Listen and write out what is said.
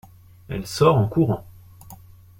Elle sort en courant.